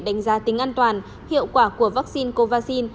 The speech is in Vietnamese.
đánh giá tính an toàn hiệu quả của vaccine covid